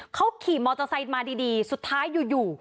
เขาขี่มอเตอร์ไซค์มาดีสุดท้ายอยู่